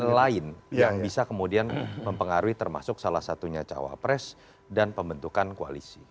ada lain yang bisa kemudian mempengaruhi termasuk salah satunya cawapres dan pembentukan koalisi